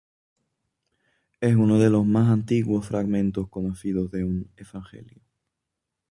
Es uno de los más antiguos fragmentos conocidos de un evangelio.